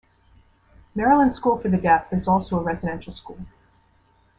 Maryland School for the Deaf is also a residential school.